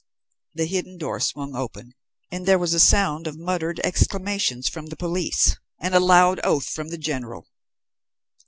The hidden door swung open, and there was a sound of muttered exclamations from the police and a loud oath from the General.